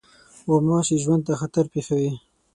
غوماشې ژوند ته خطر پېښوي.